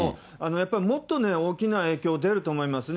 やっぱりもっとね、大きな影響出ると思いますね。